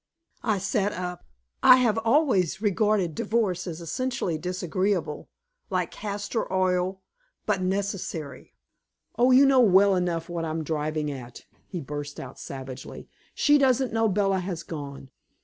I sat up. I have always regarded divorce as essentially disagreeable, like castor oil, but necessary. "Oh, you know well enough what I'm driving at," he burst out savagely. "She doesn't know Bella has gone.